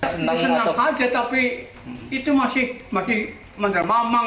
senang senang saja tapi itu masih menjelmang menjelmang